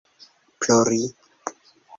plori